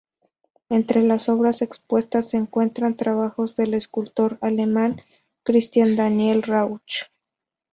Entre las obras expuestas se encuentran trabajos del escultor alemán Christian Daniel Rauch.